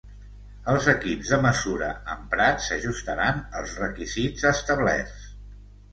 els equips de mesura emprats s'ajustaran als requisits establerts